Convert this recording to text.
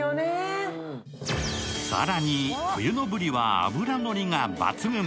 更に、冬のブリは脂のりが抜群。